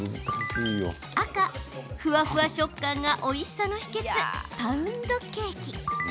赤・ふわふわ食感がおいしさの秘けつ、パウンドケーキ。